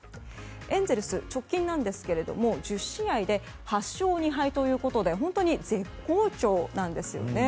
エンゼルス、直近１０試合８勝２敗ということで本当に絶好調なんですね。